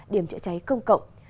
điểm chữa cháy công cộng